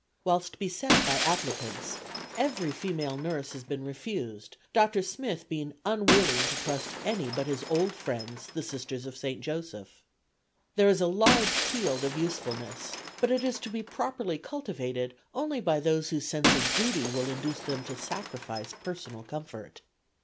Whilst beset by applicants, every female nurse has been refused, Dr. Smith being unwilling to trust any but his old friends, the Sisters of St. Joseph. There is a large field of usefulness, but it is to be properly cultivated only by those whose sense of duty will induce them to sacrifice personal comfort.